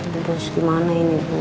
terus gimana ini bu